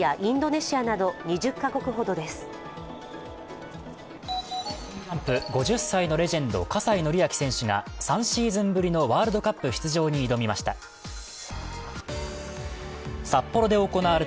スキージャンプ、５０歳のレジェンド、葛西紀明選手が３シーズンぶりのワールドカップ参戦に臨みました。